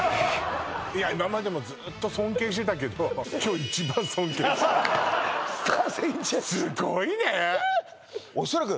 いや今までもずっと尊敬してたけど「スター千一夜」